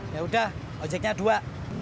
yaudah ojeknya dua